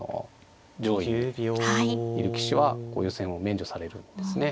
上位にいる棋士は予選を免除されるんですね。